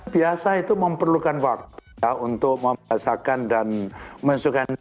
biasa itu memperlukan waktu untuk memperasakan dan mensyukurkan